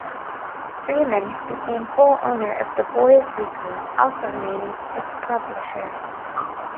Freeman became full owner of the "Boise Weekly", also remaining its publisher.